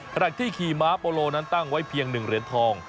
ขณะที่ขี่ม้าโปโลนั้นตั้งไว้เพียง๑เหรียญทอง